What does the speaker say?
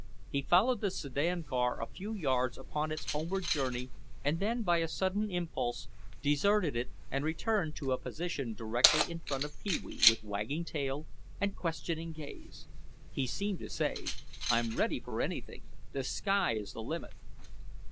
He followed the sedan car a few yards upon its homeward journey and then, by a sudden impulse, deserted it and returned to a position directly in front of Pee wee with wagging tail and questioning gaze. Pie seemed to say, "I'm ready for anything, the sky is the limit."